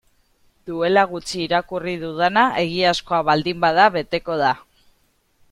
Duela gutxi irakurri dudana egiazkoa baldin bada beteko da.